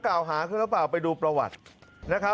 กล่าวหาเครื่องกระเป๋าไปดูประวัติ